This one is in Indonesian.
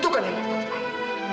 itu kan yang penting